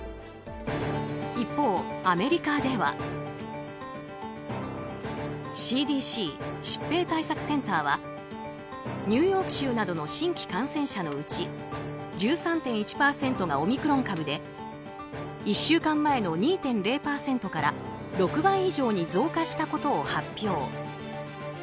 一方、アメリカではＣＤＣ・疾病対策センターはニューヨーク州などの新規感染者のうち１３．１％がオミクロン株で１週間前の２．０％から６倍以上に増加したことを発表。